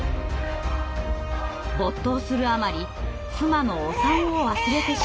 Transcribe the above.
没頭するあまり妻のお産を忘れてしまったなんてことも。